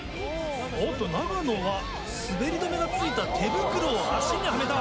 おっと長野は滑り止めが付いた手袋を足にはめた。